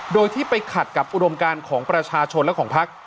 โดยที่ไปขัดกับอุดมการของประชาชนและของพัก